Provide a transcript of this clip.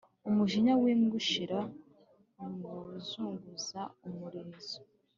Umujinya w’imbwa ushirira mu kuzunguza umurizo.